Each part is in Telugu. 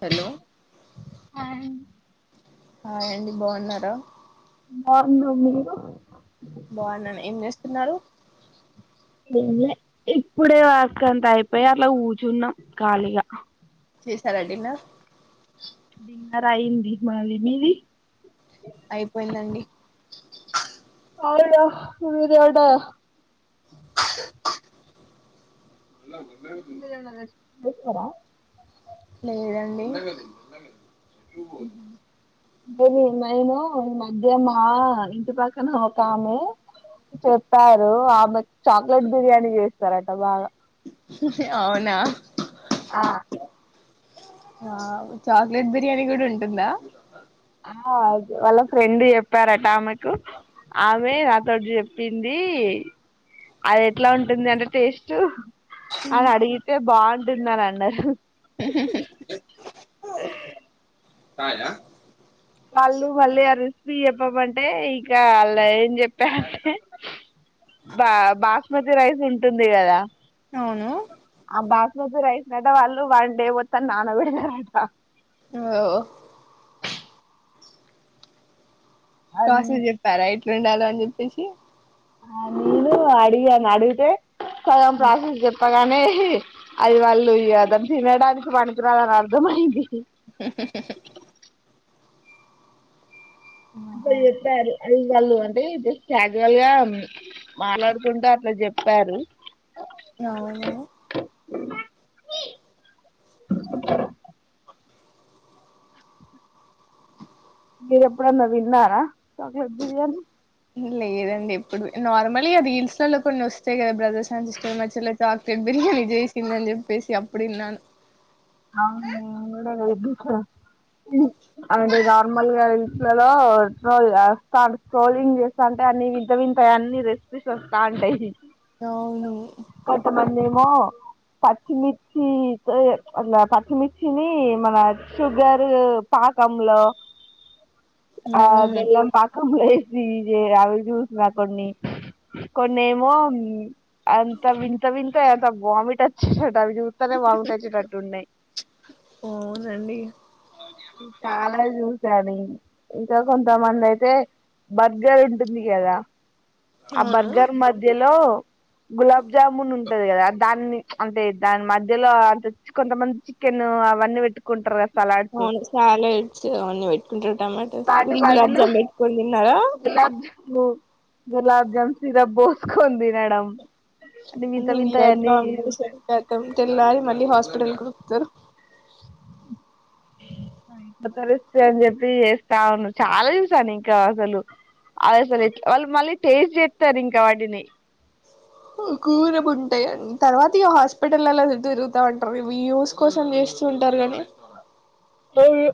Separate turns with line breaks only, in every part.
హలో
హా
హాయ్ అండి బాన్నారా
బాగున్నామ్ మీరు
బానాన్ ఏంచేస్ తిన్నారు
ఎంలే ఇప్పుడే వర్క్ అంత అయిపోయి అట్లా కూర్చున్నాం ఖాళీగా
చేసార డిన్నర్
డిన్నర్ అయింది మాది మీది
అయిపోయిందండి
[unintelligible] మీరేమైనా [unintelligible] రెస్టు తినరా
లేదండి టు ఫోర్
[unintelligible] మైను నేను మధ్య మా ఇంటి పక్కన ఒక ఆమె చెప్పారు ఆమె చాక్లెట్ బిర్యానీ చేస్తారట బాగా
ఇహి [unintelligible] అవునా
ఆ
అవ్ చాక్లెట్ బిర్యానీ కూడా ఉంటుందా
అమ్మో వాళ్ళ ఫ్రెండ్ చెప్పారాట ఆమెక్ కు ఆమె తోటి చెప్పింది అది ఎట్లా ఉంటుంది అంటే టేస్ట్ అని అడిగితే బాగుంటుందని అన్నార్
మ్ హు కాయ
వాళ్ళు మళ్ళీ ఆ రెసిపీ చెప్పమంటే ఇంక అలా ఏం చెప్పారంటే బా బాస్మతి రైస్ ఉంటుంది కదా
అవును
ఆ బాస్మతి రైస్ అట్ట వాళ్ళు వన్ డే మొత్తం నానబెడతారట
ఓ కాసం చెప్పార ఇట్ రెండాలొని చెప్పేసి
అను అడిగాను అడిగితే సగం ప్రాసెస్ చెప్పగానే ఇ అది వాళ్ళు ఇగ దాన్ని తినడానికి పనికిరాదని అర్థమయింది
మ్ మ్
అట్లా చెప్పారు అది వాళ్ళు అంటే క్యాజువల్ గా మాట్లాడుకుంట అట్లా చెప్పారు
అవును
[inaudible] మిరెప్పుడన్న తిన్నారా చాక్లెట్ బిర్యానీ
లేదండి ఎప్పుడు నార్మలీ అది రిస్లాలో లో కొన్ని వస్తాయి కదా బ్రదర్స్ అండ్ సిస్టర్ మధ్యలో చాక్లెట్ బిర్యానీ చేసిందని చెప్పేసి అప్పుడు విన్నాను
అవును నేను కూడా [unintelligible] అలాంటివి నార్మల్ గా ఇట్లలోో వస్తా స్్రోలింగ్ చేస్తా అంటే అన్ని వి వింతాయి అన్ని రెస్పీస్ వస్తాంటాయి [unintelligible]
అవును
కొంతమంది ఏమో పచ్చిమిర్చితో అట్లా పచ్చమిర్చిని మన షుగరు పాకంలో అ
అవును
బెల్లం పాకంలో ఎస్ ఫీజే అవి చూసిన కొన్ని కొన్ని ఏమో అంత వింత వింత అంత వామిట్ వచ్చేటట్ అవి చూస్తానే వమిట్ వచ్చేటట్టు తున్నయ్
అవునండి
ఇ చాలా చూసాను ఇంకా కొంతమంది అయితే బర్గర్ ఉంటుంది కదా ఆ
అవును
బర్గర్ మద్ మధ్యలో గులాబ్ జాముూన్ ఉంటది కదా దాన్ని అంటే దాని మధ్యలో అంత కొంతమంది చికెన్ అవన్నీ పెట్టుకుంటారు కదా సలాడ్సు
చాలా ఎడ్చనవన్ని పెట్టుకుంటారు టమాటో వ
వాటి
గులాబ్
బదులు
జామ్ పెట్టుకొని తిన్నారా
గులాబ్ జాము గులాబ్ జామ్ సిరప్ పోసుకొని తినడం అని వింత వింత
అడ్
అన్ని చూసాను
కాతం తెల్లాలి మళ్ళీ హాస్పిటల్ తరు
ఇ తరుస్త అని చెప్పి చేస్తా ఉను చాలా చూసాను ఇంకా అసలు అవి అసలు వాళ్ళు మళ్ళీ టేస్ట్ చేత్తారు ఇంకా వాటిని
కు కూరం ఉంటాయిన్ తర్వాత ఇగ హాస్పిటలల్ల చుట్టు తిరుగుతా ఉంటారు ఈ వ్యూస్ కోసం చేస్త ఉంటారు ని
అవును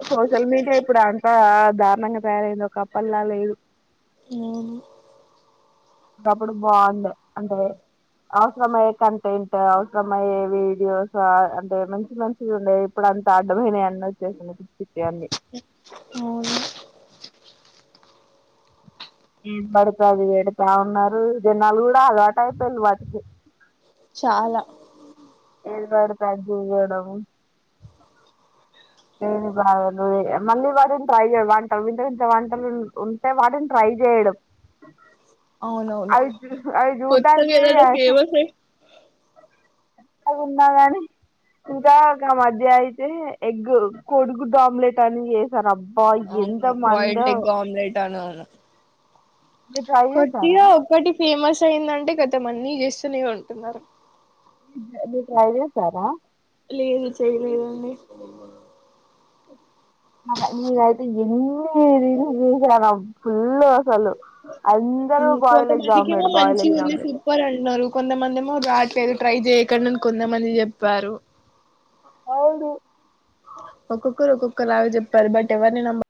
ఆ సోషల్ మీడియా ఇప్పుడు అంత దారుణంగా తయారైంది ఒకప్పల్లా లేదు
మ్మ్
ఒకప్పుడు బాగుండే అంటే అవసరమయ్యే కంటెంట్ అవసరమయ్యే వీడియోస్ ఆ అంటే మంచి మంచి ఉండే ఇప్పుడు అంత అడ్డమయినా అన్న వచ్చేసినాయ్ పిచ్చి పిచ్చి వన్నీ
అవును
ఏం పడుతది ఎడి తా ఉన్నారు జనాలు కూడ అలవాటు అయిపోయిళ వాటికి
చాలా
ఏదీ పడితే అది జూడడము లేని బాగా ను మళ్ళీ వాటిని ట్రై చేయ వంటలు వింత వింత వంటలు ఉంటే వాటిని ట్రై చేయడం
అవునవును
అవి చూ- అవి
కొత్తగేదన్న
చూడడానికి
ఫేమసు
కొత్తగున్నా గాని ఇంకా గా మధ్య అయితే ఎగ్గు కొడుగుడ్డు ఆమ్లెట్ అని చేసారు అ
అవును బాయిల్డ్ ఎగ్ ఆమ్లెట్ అను ను
మీరు ట్రై చేసారా
కుర్తిగా ఒక్కటి ఫేమస్ అయిందంటే కతం మ అన్నీ చేస్తూనే ఉంటున్నారు
మీరు ట్రై చేసారా
లేదు చేయలేదండి
నాగై నిగయితే ఎన్ని రీల్స్ చూశానో ఫుల్ అసలు అందరూ బాయిల్ ఎగ్
కొంతమందికి ఏమొ
ఆమ్లెట్ బాయిల్
మంచి
ఎగ్
ఉంది
ఆమ్లెట్
సూపర్ అంటున్నారు కొంతమంది ఏమో రాట్లేదు ట్రై చేయ్యకండి అని కొంతమంది చెప్పారు
అవును
ఒక్కొక్కరు ఒక్కొక్క లాగా చెప్పారు బట్ ఎవరిని నమ్మ